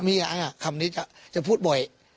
มีอย่างนี้คำนี้จะพูดบ่อย